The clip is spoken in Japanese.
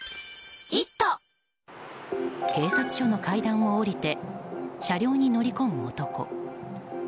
警察署の階段を下りて車両に乗り込む男。